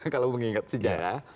kalau mengingat sejarah